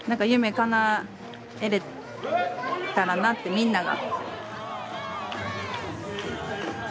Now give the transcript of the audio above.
みんなが。